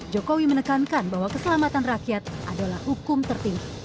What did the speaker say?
jokowi menekankan bahwa keselamatan rakyat adalah hukum tertinggi